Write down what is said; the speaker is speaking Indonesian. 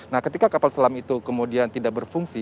nah ketika kapal selam itu kemudian tidak berfungsi